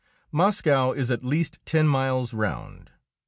Moscow is at least ten miles round.